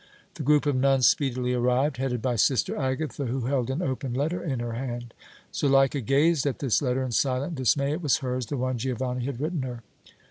The group of nuns speedily arrived, headed by Sister Agatha, who held an open letter in her hand. Zuleika gazed at this letter in silent dismay. It was hers, the one Giovanni had written her!